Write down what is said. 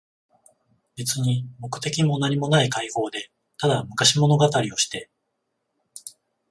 べつに目的もなにもない会合で、ただ昔物語りをして、